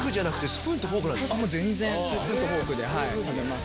スプーンとフォークで食べます。